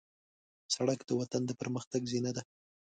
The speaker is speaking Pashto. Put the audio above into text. سړک د وطن د پرمختګ زینه ده.